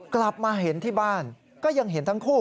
กลับมาเห็นที่บ้านก็ยังเห็นทั้งคู่